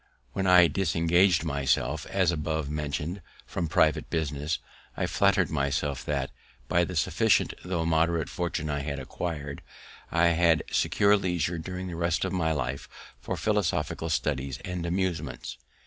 When I disengaged myself, as above mentioned, from private business, I flatter'd myself that, by the sufficient tho' moderate fortune I had acquir'd, I had secured leisure during the rest of my life for philosophical studies and amusements.